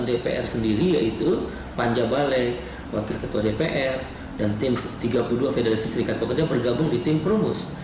dpr sendiri yaitu panja balai wakil ketua dpr dan tim tiga puluh dua federasi serikat pekerja bergabung di tim perumus